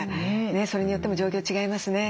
それによっても状況違いますね。